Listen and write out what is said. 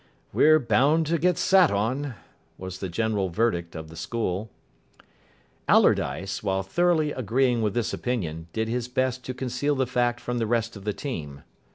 "We're bound to get sat on," was the general verdict of the school. Allardyce, while thoroughly agreeing with this opinion, did his best to conceal the fact from the rest of the team.